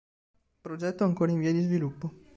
Progetto ancora in via di sviluppo.